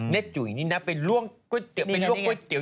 ในกระจุ๋ยนี้นะไปล่วงก๋วยเตี๋ยว